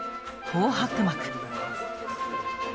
紅白幕！